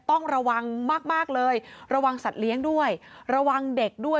ต้องระวังมากมากเลยระวังสัตว์เลี้ยงด้วยระวังเด็กด้วย